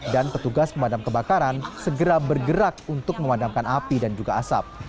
dan petugas pemadam kebakaran segera bergerak untuk memadamkan api dan juga asap